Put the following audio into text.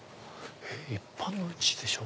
一般の家でしょ？